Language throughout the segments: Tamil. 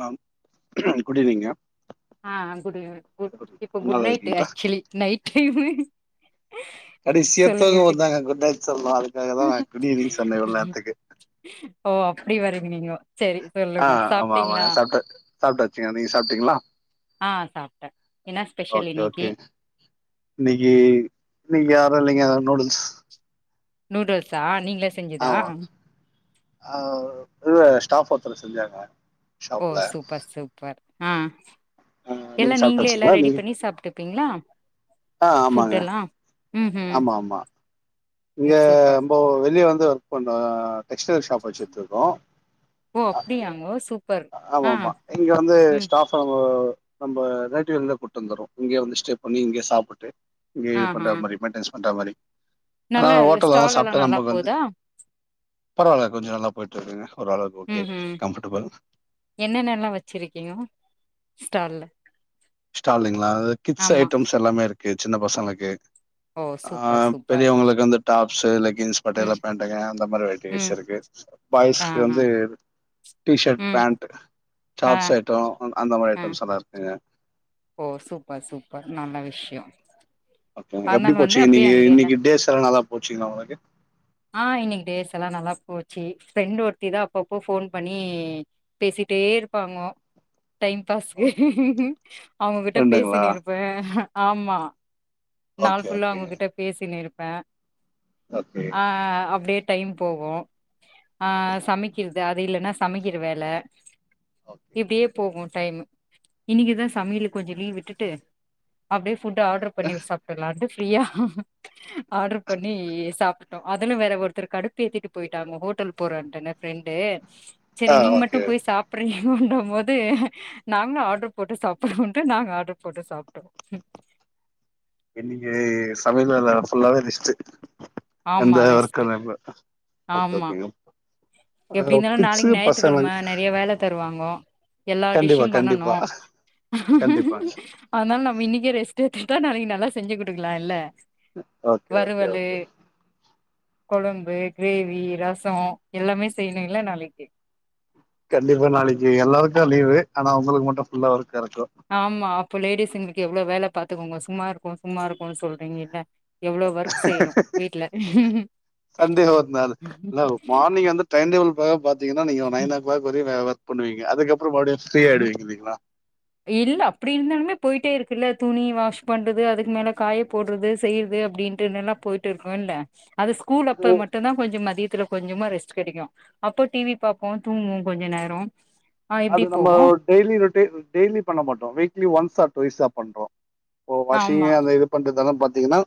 ஆ குட் ஈவ்னிங்க ஆ குட் ஈ குட் இப்ப குட் நல்லாதா நைட் இருக்கீங்களா ஆக்சுவலி நைட் டைமு சொல்லுங்க கடைசியத்தவங்க எப்டி வந்தாங்க குட் நைட் சொல்லா அதுக்காக தா நா குட் ஈவ்னிங் சொன்னே இவ்ளோ நேரத்துக்கு ஓ அப்படி வரீங்க நீங்க சரி சொல்லுங்க சாப்பிட்டீங்களா சாப்பிட்டாச்சுங்க நீங்க சாப்ட்டீங்களா சாப்ட்டே என்ன ஸ்பெஷல் ஓகே இன்னைக்கி ஓகே இன்னைக்கு நீங்க யாரு இல்லைங்க நூடுல்ஸ் நூடுல்ஸா நீங்க ஆமா அ இல்ல ஸ்டாஃப் ஒ ருத்தரு செஞ்சாங்க ஓ ஷாப்ல சூப்பர் சூப்பர் ஆ ஆ நீங்க எல்லா நீங்களே எல்லா சாப்ட்டாச்சுங்களா ரெடி நீங்க பண்ணி சாப்ட்டுப்பீங்களா ஆ ஃபுட் ஆமாங்க எல்லா ம் ஆமா ம் ஆமா நீங்க சூப்பர் நம்போ வெளிய வந்து ஒர்க் பண்ணோ ஆ டெக்ஸ்டைல் ஷாப் வச்சுட்டுருக்கோ ஓ அப்படியாங்கோ சூப் ஆமா ஆமா இங்க வந்து ஸ்டாஃப்ப நம்ம நைட்ல இருந்தே கூப்டு வந்துர்றோ இங்கயே வந்து ஸ்டே பண்ணி இங்கயே சாப்பிட்டு இங்க ஆ இது ஹா பண்ற மாரி மைன்டென்ஸ் அந்தா மாரி ஆனா நல்லா இரு ஹோட்டல்ல தா ஸ்டால் எல்லா சாப்ட்டா நல்லா நமக்கு வந்து போதா பரவால்ல கொஞ்சம் நல்லா போயிட்டு இருக்குங்க ஓரளவுக்கு ஓகே ம் ம் கம்ஃபர்டபுள் என்னென்னல்லா வச்சிருக்கீங்கோ ஸ்டால்ல ஸ்டாலிங்களா அ கிட்ஸ் ஆமா ஐட்டம்ஸ் எல்லாமே இருக் கு சின்ன பசங்களுக்கு ஓ சூப்பர் அஹ் சூப்பர் பெரியவங்களுக்கு வந்துட் டாப்ஸ் லெக் ஜீன்ஸ் ம் பட்டியாலா பேண்ட்ங்க அந்த மாரி வெரைட்டீஸ் ம் இருக்கு ஆ பாய்ஸ்க்கு ஆ வந்து டீஷர்ட் ம் பேன்ட் ஆ சாட்ஸ் ஐட்ட அ அந்த மாரி ஆ ஐட்டம்ஸ் எல்லா இருக்கு ஓ சூப்பர் சூப்பர் நல்ல விஷய அப்ப எப்புடி போச்சீங்க இன்னைக்கு இன்னைக்கு டேஸ் எல்லா நல்லா போச்சுங்ளா உங்களுக்கு ஆ இன்னைக்கு டேஸ் எல்லா நல்லா போச்சு ஃப்ரெண்ட் ஒருத்திதா அப்பப்போ ஃபோன் பண்ணி பேசிட்டே இருப்பாங்கோ டைம் பாஸ்கு அவங்ககிட்ட ரெண்டுங்களா? பேசினு இருப்ப ஆமா நாள் ஓகே, ஃபுல்லா ஓகேங்க. அவங்ககிட்ட பேசினு இருப் பே ஓகே. ஆஹ் அப்டேட் டைம் போகும் ஆஹ் சமைக்கிறது அது இல்லன்னா சமைக்கிற வேலை ஓகே. இப்படியே போகும் டைம் இன்னைக்குதான் சமையலு கொஞ்சம் லீவ் விட்டுட்டு அப்படியே ஃபுட்டு ஆர்டர் பண்ணி சாப்பிட்றலான்ட்டு ஃபிரியா ஆர்டர் பண்ணி சாப்ப அதுல வேற ஒருத்தர் கடுப்ப ஏத்திட்டு போயிட்டாங்க ஹோட்டல் போறேன்டு என்ன ஃப்ரெண்டு ஆ சரி நீங்க மட்டு ஓகே. போய் சாப்பிறீ போனு போது நாங்களு ஆர்டர் போட்டு சாப்படுறோன்ட்டு நாங்க ஆர்டரு போட்டு சாப்ட்டோ இன்னைக்கு சமையல் வேல ஃபுல்லாவே ரெஸ்ட்டு எந்த ஆமா வர்க்கு ரெஸ்ட்டு இல்ல இப்ப ஓகே ஓகே எப்படி இருந்தாலு நாளைக்கு ஞாயித்து கிழமை நிறைய வேலை தருவாங்க ம் ஹ் எல்லா கண்டிப்பா, டிஷ்சூம் பண்ணனு கண்டிப்பா. கண்டிப்பாங்க. அதனால நம்ம இன்னைக்கே ரெஸ்ட் எஸ்டா நாளைக்கு நல்ல செஞ்சு குடுக்லால்ல ஓகே ஓகே ஓகே கொழம்பு கிரேவி ரசம் எல்லாமே செய்யணும்ல்ல நாளைக்கு கண்டிப்பா நாளைக்கு எல்லாருக்கு லீவு ஆனா உங்களுக்கு மட்டு ஃபுல்லா ஒர்கு ஆமா அப்போ லேடிஸ் எங்களுக்கு எவ்ளோ வேலை பாத் பாத்துக்குங்க சும்மா இருக்கோ சும்மா இருக்கோ சொல்றீங்கல்ல எவ்ளோ ஒர்க் செய்யணு வீட்ல சண்டே ஒரு நாள் இல்ல மார்னிங் வந்து டைம் டேபிள் பிரகார பாத்தீங்கன்னா நீங்க நைன் ஓ கிளாக் வரையு வே ஒர்க் பண்ணுவீங்க அதுக்கப் இல்ல அப்படி இருந்தாலுமே போயிட்டே இருக்கு இல்ல துணி வாஷ் பண்றது அதுக்கு மேல காய போடுறது செய்யறது அப்படின்னுட்டு போயிட்டு இருக்கோல்ல அது ஸ்கூல் அது அப்ப மட்டுந்தான் கொஞ்ச மதி அதுல கொஞ்சமா ரெஸ்ட் கிடைக்கு அப்போ டிவி பாப்போ தூங்கோம் கொஞ்ச நேரம் ஆஹ் எப்படி நம்மோ டெய்லி ரொட்டே டெய்லி பண்ண மாட்டோம் வீக்லி ஒன்ஸ் ஆர் ட்விய்ஸ பண்றோ ஓஹ் வாஷிங்க ஆமா அந்த இது பண்றது தான் த் தீனா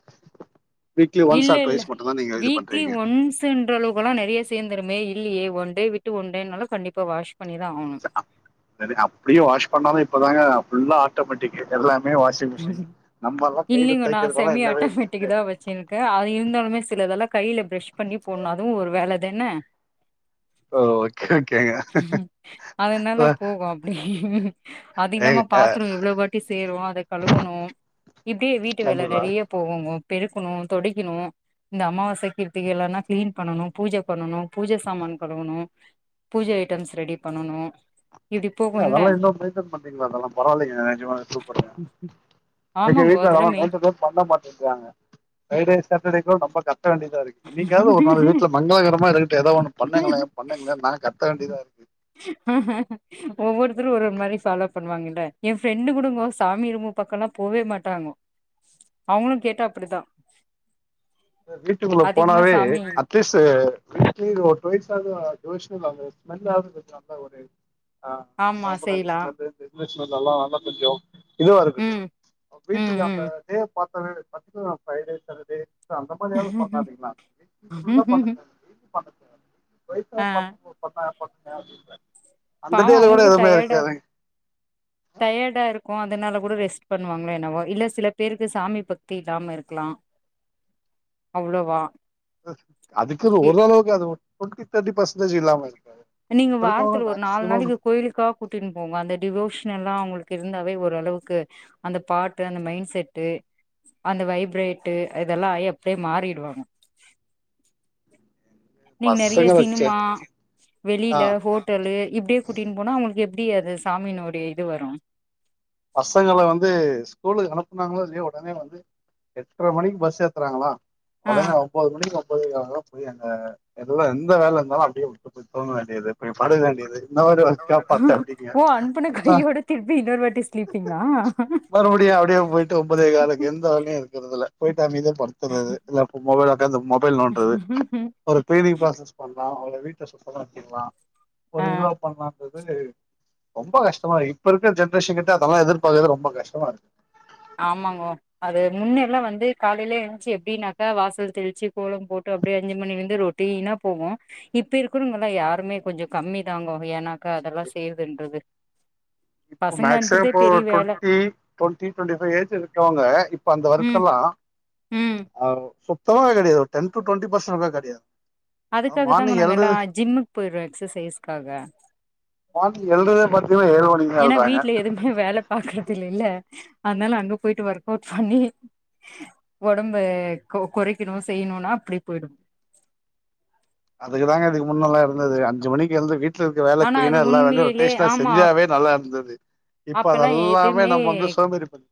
இல்ல இல்ல வீக்லி ஒன்ஸ்ன்ற அளவுக்கல்லா நறைய சேந்துருமே இல்லையே ஒன் டே விட்டு ஒண்டேன்னாலு கண்டிப்பா வாஷ் பண்ணிதான் ஆகணும் அப்பிடியே வாஷ் பண்ணாலு இப்பதாங்க ஃபுல்லா ஆட்டோமேட்டிக் எல்லா இல்லைங்க நான் துவைக்கிறதெல்லாம் செமி இல்லவே ஆட்டோமேட்டிக் இல்லையே தா வச்சுருக்கே அது இருந்தாலுமே சிலதெல்லா கைல பிரஷ் பண்ணி போடனு அதுவு ஒரு வேல தென ஓகே ஓகேங்க அதனால போகும் அப்டி அது இல்லாம பாத்தரோ எவ்ளோ வாட்டி சேரு அத கழுவணு இப்டியே வீட்டு வேல கண்டிப்பா நறைய போகு பெருக்கனு தொடைக்கனு இந்த அமாவாசை கீர்த்திக எல்லானா கிளீன் பண்ணனு பூஜ பண்ணனும் பூஜ சாமான் கழுவனு பூஜ ஐட்டம்ஸ் ரெடி பண்ணனும் எங்க அதெல்லா இன்னு மெயின்டன் பண்றீங்களா அதெல்லாம் பரவாயில்லைங்க நிஜமாவே சூப்பருங்க எங்க ஆமாங்கோ வீட்ல அதெல்லா மெயின் மெயின்டன்னே பண்ண மாட்டோன்றாங்க ஃப்ரைடே சாட்டர்டே கூட நம்ம கத்த வேண்டியதா இருக்கு இன்னைக்காவது ஒரு நாள் வீட்டுல மங்களகரமா இருக்கட்டு ஏதோ ஒன்னு பண்ணுங்களே பண்ணுங்களே நா கத் வேண்டியதா இருக்கு ஒவ்வொருத்தரு ஒரு ஒரு மாரி ஃபாலோ பண்ணுவாங்கல்ல என் ஃப்ரெண்டு கூடங்கோ சாமி ரூமு பக்கம் எல்லா போவே மாட்டாங்க அவுங்களும் கேட்டா அப்டித்தா வீட்டுங்குள்ள போனாவே அட்லீஸ்ட் வீக்லி ஒரு டூவெயஸ் ஆது டிவோஷனல் அவுங்க ஸ்மெல்லாவது கொஞ்சோ ஆ நல்லா ஒரு ஆஹ் ஆமா சம்பரணி செய்லா ஸ்மெலு அந்த இது [unintelligible] ஸ்மெல் எல்லா நல்லா கொஞ்சோ இதுவா இருக்கட்டும் ம் ம் வீட்டுக்கு அந்த தேவ [unintelligible] ஃப்ரைடே சாட்டர்டே அந்த மாதியாவது ம் பண்ணாதீங்கண்ணா [inaudible] ஃபுல்லா பண்ண கூடாது பண்ணக்கூடாது ஆ வயசாய் பண்ணும் போது பாத்தா யார் பாக்கர்து [inaudible] அந்த பாவோ டேல கூட அவங்களுக்கு எதுவுமே டயர்டா வெக்காதீங்க டயர்டா இருக்கு அதனால கூட ரெஸ்ட் பண்ணுவாங்களோ என்னவோ இல்ல சில பேருக்கு சாமி பக்தி இல்லாம இருக்கலா அவ்ளோவா அதுக்குனு இ ஒர்ரளவுக்கு அது ஒட்டுக்க நீங்க இருக்கவங்க வாரத்துல ஒரு நாலு மேக்ஸிமம் நாளைக்கு கோயிலுக்கா கூட்டினு போங்க அந்த டிவோஷனலா அவுங்களு க்கு இருந்தாவே ஓரளவுக்கு அந்த பாட்டு அந்த மைண்ட் செட்டு அந்த வைப்ரேட்டு இதெல்லா அப்டியே மாறிடுவாங்க நீங்க நெறய பசங்க வச்சு சினிமா ஆ வெளில ஹோட்டலு இப்படியே கூட்டினு போனா அவூங்களுக் அப்படி அது சாமினுடைய இது வரும் பசங்கள வந்து ஸ்கூலுக்கு அனுப்புனாங்களோ இல்லையே உடனே வந்து எட்டரை மணிக்கு பஸ் ஏத்துறாங்களா ஆ உடனே ஒன்பது மணிக்கு போய் அதல்லாம் போய் அங்க எல்லாம் இருந் ஏந்த வேலை இருந்தாலும் அடியே விட்டு போ தூங்கவேண்டியது படுக்க வேண்டியது இன்ன ஒருக்கா பாரத்த அப்படிங்க ஓ அனுப்புன அந்தா கையோட திருப்பி இன்னொரு வாட்டி ஸ்லீப்பிங்கா மறுபடியும் அப்படியே போயிட்டு ஒன்பதே காலக்கு எந்த வேலையும் இருக்கறதுல்ல போயிட்டு அமீதியா படுத்துறது இல்ல மொபைல் அப் அந்த மொபைல் நோன்றது ஒரு ப்ரிங் ப்ராசஸ் பண்றது வீட்ட சுத்தமாகிறலாம் ஒரு ஆ ரிலவா பண்ணாங்கது போது ரொம்ப கஷ்டமா இப்ப இருக்க ஜன் ஷ கிட்ட அதெல்லாம் எதிர்பார்க்கது ரொம்ப கஷ்டமா இருக் ஆமாங்கோ அது முன்ன எல்லாம் வந்து காலையிலயே எழுச்சு எப்படின்னாக்கா வாசல் தெளிச்சு கோலம் போட்டு அப்படியே அஞ்சு மணில இருந்து ரொட்டினா போவோம் இப்ப இருக்கிறங்க எல்லாம் யாருமே கொஞ்சம் கம்மிதாங்கோ ஏனாக்கா அதெல்லாம் செய்யறதுன்றது இப்ப பசங்கள மேக்சிமம் அனுப்புறதே இப்ப பெரிய வேல டுவெண்ட்டி டுவெண்ட்டி டுவெண்டிைபைவ் ஏஜ் இருக்கவங்க இப்ப அந்த ம் ஒர்க்கேல்லாம் ம் ஆ சோ தொங்க காடியது டென் டூ டுவெண்ட்டி பெர்ஸன்ட் கிடையாது அதுக்காக தாங்க மார்னிங் நாங்க எழுறது எல்லாம் ஜிம்முக்கு போய்டோறோம் ம எக்ஸ் சசைஸ்க்காக ஆ எல்ராதே மத்தேங்க ஏழு மணி ஏன்னா வீட்டுல எதுவுமே வேலை பாக்குறது இ இல்ல அதனால அங்க போயிட்டு ஒர்க் அவுட் பண்ணி உடம்ப குறைக்கணும் செய்யணும்னா அப்படி போயிடும் அதுக்குதாங்க இதுக்கு முன்னெல்லாம் இருந்தது அஞ்சு மணிக்கு எந்து வீட் வ இருக்க வேலை ஆனா அது கிளீனா எல்லாம் வேலை ரொட்டேஷனா செஞ்சே நல்லா இருந்தது இப்ப அப்பல்லாம் அதெல்லாமே எதுவுமே நம்ம வந்து சோம்பேறி பண்ணி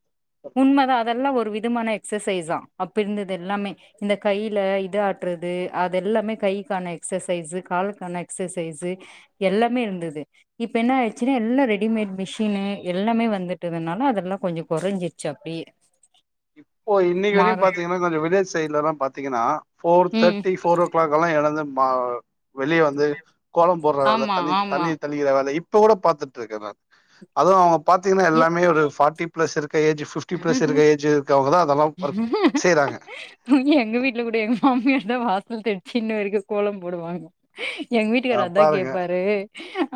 உண்மைதான் அதெல்லாம் ஒரு விதமான எக்சசைஸா அப்பருந்தது எல்லாமே இந்த கைல இது ஆட்டுறது அதெல்லாமே கைக்கான எக்சசைசு கால்க்கான எக்சசைசு எல்லாமே இருந்துது இப்ப என்ன ஆய்ச்சு எல்லா ரெடிமேட் மிஷ் தீனு எல்லாமே வந்துட்டதுனால அதெல்லா கொஞ்சோ கொறஞ்சிச்சு அப்டியே இப்போ இன்னிக்கு வெரியும் மாற பாத்தீங்கன்னா கொஞ்சோ வில்லேஜ் சைட்லல்லா பாத்தீங்கன்னா ஃபோர் ம் தேட்டி ஃபோர் ஓ க்ளாக்கெல்லா எழுந்து மா வெளிய வந்து கோலம் போடுற வேல ஆமா தண்ணி ஆமா தண்ணி தெளிக்கிற வேல இப் இப்ப கூட பாத்துட்ருக்கேன் நா அதுவும் அவங் பாத்தீங்கன்னா எ எல்லாமே ஒரு ஃபாட்டி ப்ளஸ் இருக் ஏஜ் ஃபிப்டி ப்ளஸ் இருக்க ஏஜு ப்ப உதா உ எங்க வீட்ல கூடே ங்க மாம்மியர்தா வாசல் தெள்ச்சி இன்ன வெரைக்கு கோலம் போடுவாங்க எங் ஆ வீட்டுக்காரு அதா பாருங்க கேப்பாரு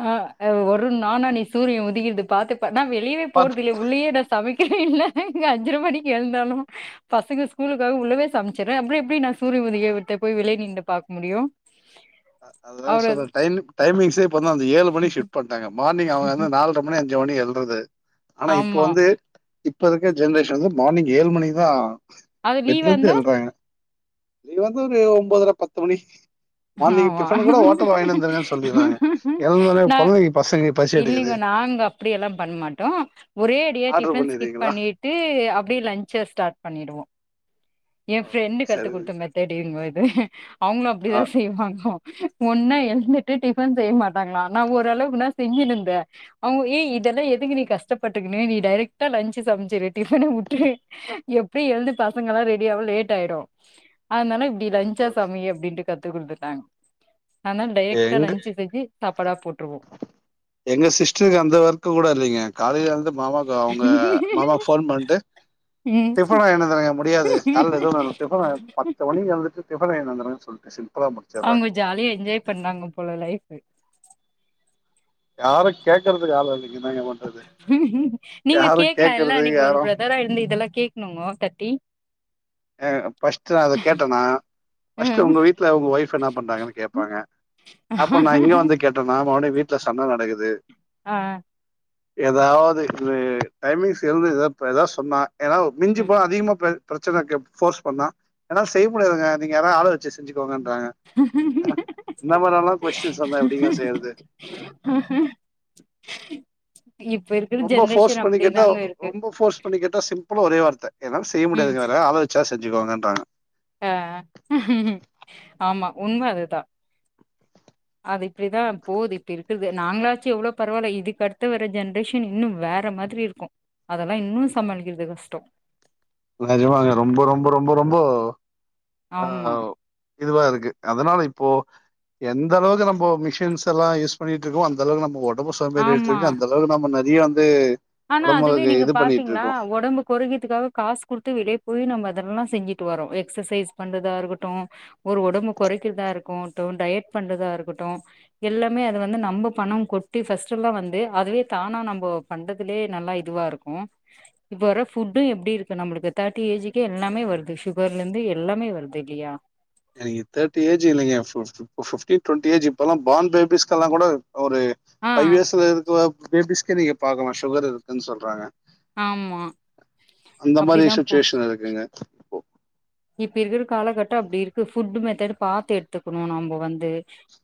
ஆஹ் ஒரு நானா நீ சூரிய உதிக்கிர்து பாத்துர்ப்ப நா வெளிய்வே பாத் போற்தில்லே உள்ளியே நா சமைக் இல்ல எங்க அஞ்சர மணிக்கெழ்ந்தாலு பசங்க ஸ்கூல்க்காக உள்ளவே சம்ச்சிறே அப்றம் எப்டி நா சூரிய உதிக்கிரத போய் வெளிய் நின்டு பாக் முடியு அதா சொல்றே டைம் டைமிங்ஸே பாத்னா அந்த ஏழு மணி ஷிப்ட் பண்ட்டாங்க மார்னிங் அவங்க வந்து நாலரை மணி ஜோனி எல்றது ஆனா இப்போ ஆமா வந்து இப்பருக்க ஜென்ரேஷன் வந்து மார்னிங் ஏழு மணிக்தா அது லீவா பெட்லர்ந்து இருந்தா எல்றாங்க லீவார்ந்த ஒரு ஒம்போதர பத்து மணி மார்னிங் ஆமா டிஃபன் கூட ஹோட்டல் வாங்கிட்டு வந்துருங்கன்னு சொல்லிடுறாங்க எழுந்தோனே நா கொழந்தைக்கு பசங்க பசி எடுக்குது இல்லீங்க நாங்க அப்டியெல்லா பண்மாட்டோ ஒரேடியா ஆர்டர் டிஃபன் ஸ்கிப் பண்ணிறீங்களா பண்ணிட்டு அப்டியே லன்ச்ச ஸ்டார்ட் பண்ணிடுவோ என் ஃப்ரெண்டு கத்து சரி குத்த மெத்தடு இதுமா அவுங்ளு அப்டிதா ஆ செய்வாங்க ஒன்னா எழுந்துட்டு டிஃபன் செய்ய மாட்டாங்ளா நா ஓரளவுக்னா செஞ்சினுருந்தே அவுங்க ஏ இதெல்லா எதுக்கு நீ கஷ்டப்பட்டுக்னு நீ டேரெக்டா லஞ்ச்சு சமைச்சிரு டிஃபன உட்ரு எப்ப எழுந்து பசங்கல்லா ரெடி [unintelligible] லேட் ஆயிடும் அதுனால இப்டி லஞ்ச்சா சமை அப்படின்ட்டு கத்து குத்துட்டாங்க அனால் டேரெக்ட்டா எங்க லஞ்ச் செஞ்சி தப்பறா போட் எங்க சிஸ்டருக்கு அந்த ஒர்க்கு கூட இல்லைங்க காலைல வ மாமாக்கு அவங்க மாமா போன் பண்ட்டு ம் டிபன் வாங்கிட்டு வந்துருங்க முடியாது கால்ல எதோ டிபன் வா பத்து மணி வந்துட்டு டி [unintelligible] சொல்ட்டு ச அவங்க ஜாலியா என்ஜாய் பண்றாங்க போல லைஃப் யாரும் கேக்குறது ஆளு இல்லங் நீங்க யாரும் கேக்கலாம் இல்ல கேட்கறது நீங்க ஒரு யாரும் பிரதரா இருந்து இதெல்லாம் கேக்கணுங்கோ தட்டி ஆஹ் பஸ்ட்டு அத கேட்டனா பஸ்ட்டு ம் உங்க வீட்டுல உங்க ஒய்ஃப் என்ன பண்றாங்கன்னு கேப்பாங்க அப்ப நான் இங்க வந்து கேட்டனா மறுபடி வீட்ல சண்ட நடக்குது ஆஹ் எதாவது இது டைமிங்ஸ் இருந்து எதா எதா சொன்னா ஏனா மிஞ்சி ம் போனா அதிக பே பிரச்சனக்கேப் போர்ஸ் பண்ணா என்னால செய்ய முடியாதுங்க நீங்க வேனா ஆள வச்சு செஞ்சு கோங்க இன்றாங்க இந்த மாரிலாம் கொஸ்டின் சொன்னா எப்டிங்க செய்யறது இப்ப இருக்கிற ரொம்ப போர்ஸ் ஜென்ரேஷன் பண்ணி கேட்டா அப்படிதாங்க ரொம்ப போர்ஸ் பண்ணி கேட்டா சிம்பிளா ஒரே வார்த்த என்னால செய்ய உம் முடியாதுங்க வேற ஆள வச்சா செஞ்சுக்கோங்கன்றாங்க ஆஹ் ஆமா உண்ம அதுதான் அது இப்டிதான் போது இப்படி இருக்கிறது நாங்களாச்சும் எவ்ளோ பரவாயில்ல இதுக்கு அடுத்து வர ஜென்ரேஷன் இன்னும் வேற மாதிரி இருக்கும் அதெல்லாம் இன்னும் சமாளிக்கிறது கஷ்டம் நெஜமாங்க ரொம்ப ரொம்ப ரொம்ப ரொம்போ ஆமா இதுவா இருக்கு அதனால இப்போ எந்த அளவுக்கு நம்ம மிஷன்ஸ் எல்லாம் யூஸ் பண்ணிட்டு இருக்கோம் அந்த அளவுக்கு நம்ம ஒ ரொம்ப சோம்பேறி ஆயிட்டு ஆமா இருக்கு அந்த அளவுக்கு நம்ம ந நீயும் வந்து ஆனா அதுவே ஒடம்புக்கு நீங்க இது பண்ணிட்டு பாத்தீங்களா இருக்கோ ஒடம்பு கொறக்கிதுக்காக காசு குடுத்து வெளிய போய் நம்ம அதெல்லாம் செஞ்சுட்டு வரம் எக்சசைஸ் பண்றதா இருக்குட்டும் ஒரு ஒடம்பு கொறக்கிறதா இருக்கும்ட்டும் டயட் பண்றதா இருக்குட்டும் எல்லாமே அது வந்து நம்ப பணம் கொட்டி ஃபர்ஸ்ட்லாம் வந்து அதுவே தானா நம்போ பண்ற தலே நல்லா இதுவா இருக்கும் இப்ப வர ஃபுட்டும் எப்டி இருக்கு நம்மளுக்கு தேட்டி ஏஜிக்கே எல்லாமே வருது சுகர்ல இருந்து எல்லாமே வருது இல்லையா எனக்கு தேட்டி ஏஜ் இல்லங்க பிப் ஒ பிப்டீ டுவெண்ட்டி ஏஜ் இப்பல்லாம் பார்ன் பேபிஸ்கெல்லாம் கூட ஒரு ஆ பஃவ் இயர்ஸ்ல இருக்க பேபிஸ்கு நீங்க பாக்கலாம் சுகர் இருக்குன்னு சொல்றாங்க ஆமா அந்த மாரி அப்டிதா போ சுச்சுவேஷன் இருக்குங்க இப்போ இப்ப இருக்கற காலகட்டம் அப்டி இருக்கு ஃபுட்டு மெத்தட் பாத்து எடுத்துக்குணும் நம்போ வந்து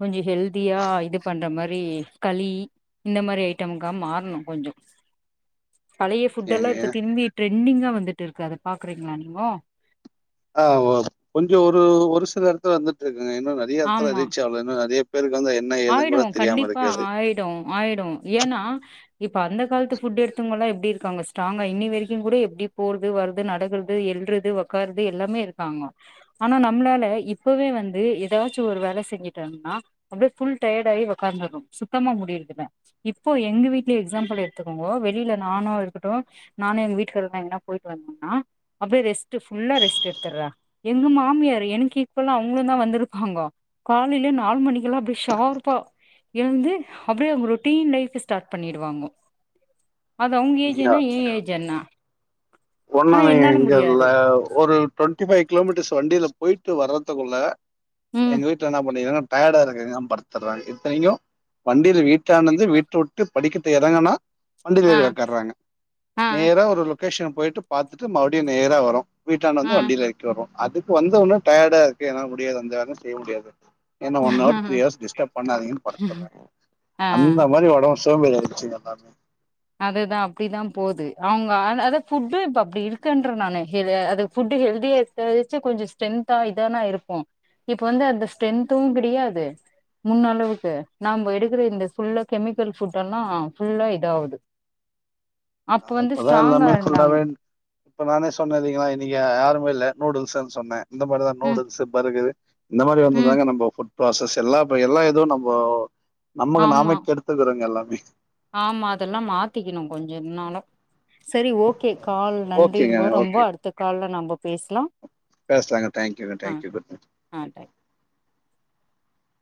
கொஞ்சம் ஹெல்தியா இது பண்ற மாரி களி இந்த மாரி ஐட்டம்க்கா மாறணும் கொஞ்சம் பலய ஃபுட் ஏங்க எல்லாம் இப்ப ஏன்? திரும்பிட்டு ட்ரெண்டிங்கா வந்துட்டு இருக்கு அத பாக்கறீங்களா நீங்கோ ஆஹ் ஒ கொஞ்சம் ஒரு ஒரு சி கிற எடத்த வந்துட்டு இருக்கு இவங்க இன்னும் நிறைய இடத்தை ஆமா ரீச் ஆகல இன்னும் அதே ஆயிடும் கண்டிப்பா ஆயிடும் ஆயிடும் ஏன்னா இப்ப அந்த காலத்து ஃபுட் எடுத்தவங்க எல்லாம் எப்படி இருக்காங்க ஸ்ட்ராங்கா இன்னி வரைக்கும் கூட எப்படி போறது வருது நடக்கது எழுறது வக்காருது எல்லாமே இருக்காங்க ஆனா நம்மளால இப்பவே வந்து ஏதாச்சும் ஒரு வேலை செஞ்சுிட்டாங்கன்னா அப்படியே ஃபுல் டயர்ட் ஆகி உட்கார்ந்திடனும் சுத்தமா முடியவில்லை இப்போ எங்க வீட்டிலேயே எக்ஸாம்பிள் எடுத்துக்கோங்கோ வெளியில நானும் இருக்கட்டும் நானும் எங்க வீட்டுக்காரல்லாம்ன போயிட்டு வந்தோம்னா அப்படியே ரெஸ்ட் ஃபுல்லா ரெஸ் எடுத்துறா எங்க மாமியார் எனக்கு ஈவலா அவங்களும் தான் வந்திருப்பாங்க காலையில நாலு மணிக்கக்குல்லாம்டிய ஷார்ப்பா எழுந்து அப்படியே அவங்க ரொட்டீன் லைஃப் ஸ்டார்ட் பண்ணிடுவாங்க அது அவங்க ஏஜ் என்ன ஏன் ஏஜ்னா உன்ன நான் இங்க இல்ல ஒரு டுவென்டி ஃபைவ் கிலோமீட்டர்ஸ் வண்டியல போய்ட்டு வரதுக்குள்ள ம் எங்க வீட்டுல என்ன பண்ணி இருக்காங்க டயடா இருக்க தான் படுத்துடுறாங்க இத்தனைையு வண்டில வீட்டு [unintelligible] விட்டு படிக்கட்டு எறங்குனா ஆ [unintelligible] ஆ நேர ஒரு லொகேஷன் போயிட்டு பார்த்துட்டு மறுபடியு நேரா வரு வீட்டாண்ட ஆ வந்து வண்டில ஏறக்கிவிட்டுறோ அதுக்கு வந்தன்னு டயர்டா இருக்கு என்னால முடியாது அந்த வேல செய்ய முடியாது ஏன்னா ஒன் ஹவர் ஹவர் டிஸ்டர்ப் பண்ணாதீங்கன்னு ஆ [unintelligible] அந்த மாரி உடம்பு [unintelligible] அதுதா அப்டிதான் போது அவுங்க அத ஃபுட்டும் இப்ப அப்டி இருக்குன்றன் நான அது ஃபுட் ஹெல்தியா எச்சு கொஞ்சோ ஸ்ட்ரென்தா இதானான் இருப்போ இப்ப வந்து அந்த ஸ்ட்ரென்த்தும் கிடாது முன்ன அளவுக்கு நம்ம எடுக்கிற இந்த ஃபுல்ல கெமிக்கல் ஃபுட்டெல்லா ஃபுல்லா இதாககுது அப்ப எல்லாமே இருந்தாங்க [unintelligible] இப்ப நானே சொன்னே நீங்க யாருமே இல்ல சொன்னே நூடுல்ஸ்ன்னு சொன்னே இந்த மாரி தான் ம் நூடுல்ஸு பர்கரூ இந்த மாரி ம் வந்துதாங்க நம்ம ப்ராசஸ் எல்லாம் இப்ப எல்லாம் எதுவும் நம்போ நமக்கு ஆமா நாமே கெடுத்து கெடுத்துகிறோ எல்லாம் [inaudible] [unintelligible] ஆமா அதெல்லாம் மாத்திக்கணு கொஞ்சோ [unintelligible] செரி ஓகே கால் ஓகேங்க நன்றிங்க ரொம்ப ஓகே அடுத்த கால்ல நம்ப பேசலாம் பேசலாங்க தேங்க்யூங்க தேங்க்யூ ஆ தேங்க்